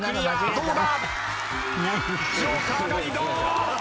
どうだ？